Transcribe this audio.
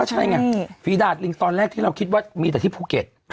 ใช่ไงฝีดาดลิงตอนแรกที่เราคิดว่ามีแต่ที่ภูเก็ต